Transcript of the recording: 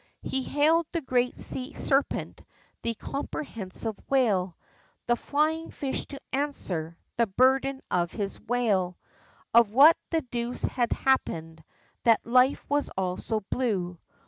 He hailed the great sea serpent, the comprehensive whale, The flying fish, to answer, the burden of his wail, Of what the deuce had happened, that life was all so blue!